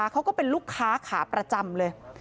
เขาก็เป็นลูกค้าขาประจำเลย